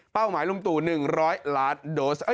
เป้าหมายลุงตุ๑๐๐ล้านโดซ